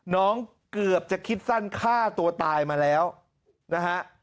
เกือบจะคิดสั้นฆ่าตัวตายมาแล้วนะฮะ